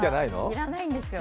要らないんですよね。